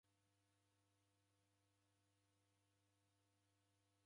Daneli osoghora mwano ghwa ndoe yapo.